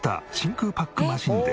コスパックマシーンで？